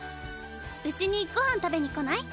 うちにごはん食べにこない？